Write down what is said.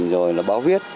rồi là báo viết